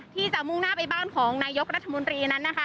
ที่จะมุ่งหน้าไปบ้านของนายกรัฐมนตรี